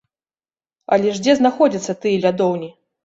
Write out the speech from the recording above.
Але ж дзе знаходзяцца тыя лядоўні?